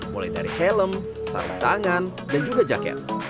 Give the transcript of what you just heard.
mulai dari helm sarung tangan dan juga jaket